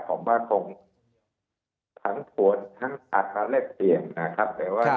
ผมว่าคงผันผวนทั้งอัตราแลกเปลี่ยนนะครับ